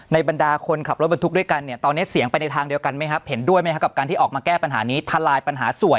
บรรดาคนขับรถบรรทุกด้วยกันเนี่ยตอนนี้เสียงไปในทางเดียวกันไหมครับเห็นด้วยไหมครับกับการที่ออกมาแก้ปัญหานี้ทลายปัญหาส่วน